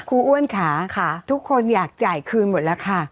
อ้วนค่ะทุกคนอยากจ่ายคืนหมดแล้วค่ะ